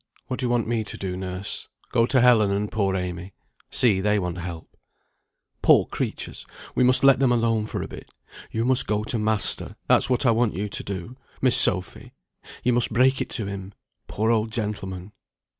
"What do you want me to do, nurse? Go to Helen and poor Amy. See, they want help." "Poor creatures! we must let them alone for a bit. You must go to master; that's what I want you to do, Miss Sophy. You must break it to him, poor old gentleman.